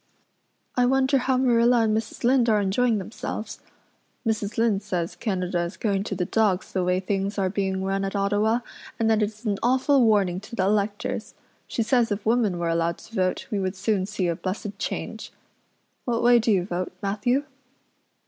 I wonder how Marilla and Mrs. Lynde are enjoying themselves. Mrs. Lynde says Canada is going to the dogs the way things are being run at Ottawa and that it's an awful warning to the electors. She says if women were allowed to vote we would soon see a blessed change. What way do you vote, Matthew?"